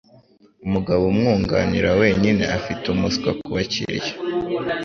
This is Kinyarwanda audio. Umugabo umwunganira wenyine afite umuswa kubakiriya.